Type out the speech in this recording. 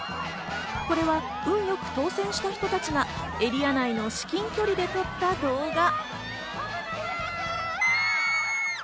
これは運よく当選した人たちが、エリア内の至近距離で撮った動画。